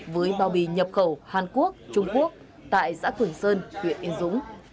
với bao bì nhập khẩu hàn quốc trung quốc tại xã cường sơn huyện yên dũng